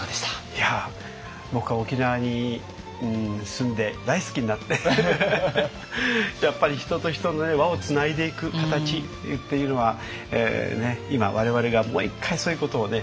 いや僕は沖縄に住んで大好きになってやっぱり人と人の輪をつないでいく形っていうのは今我々がもう一回そういうことをね